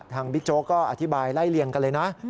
บิ๊กโจ๊กก็อธิบายไล่เลี่ยงกันเลยนะ